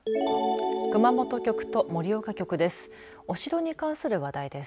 熊本局と盛岡局です。